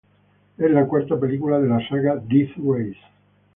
Es la cuarta película de la saga Death Race.